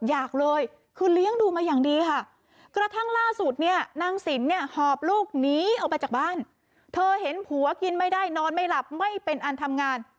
อยากให้มาคุยอย่าเอาเด็กไปทรมาน